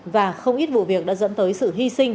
và không ít vụ việc đã dẫn tới sự hy sinh